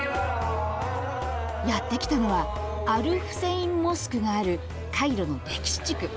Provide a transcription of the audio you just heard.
やって来たのはアル・フセインモスクがあるカイロの歴史地区。